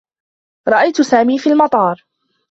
رأيت سامي في المطار.